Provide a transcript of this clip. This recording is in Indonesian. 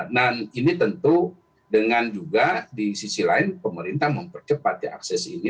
ini tentu dengan juga di sisi lain pemerintah mempercepat ya akses ini